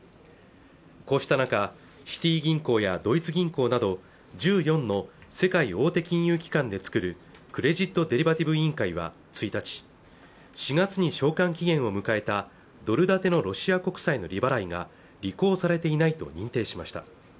こうした中シティ銀行やドイツ銀行など１４の世界大手金融機関で作るクレジットデリバティブ委員会は１日４月に償還期限を迎えたドル建てのロシア国債の利払いが履行されていないと認定しました